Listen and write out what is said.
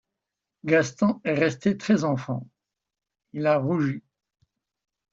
Gaston est resté très enfant, il a rougi.